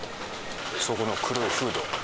そこの黒いフード。